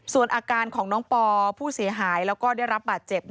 ส่วนอาการของน้องปอผู้เสียหายแล้วก็ได้รับบาดเจ็บ